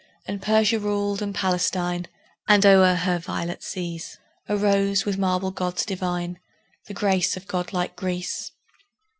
And Persia ruled and Palestine; And o'er her violet seas Arose, with marble gods divine, The grace of god like Greece.